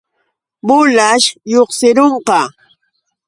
Bullaćh lluqsirunqa.